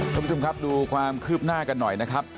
คุณผู้ชมครับดูความคืบหน้ากันหน่อยนะครับ